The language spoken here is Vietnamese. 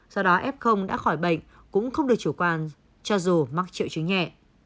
do đó f đã khỏi bệnh cũng không được chủ quan cho dù mắc triệu chứng nhẹ